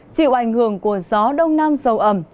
chịu ảnh hưởng của gió đông nam sâu ẩm